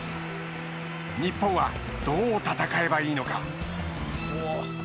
日本は、どう戦えばいいのか。